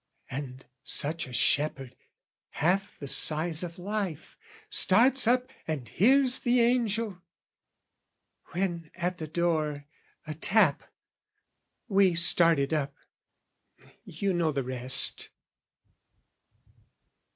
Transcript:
"And such a shepherd, half the size of life, "Starts up and hears the angel" when, at the door, A tap: we started up: you know the rest.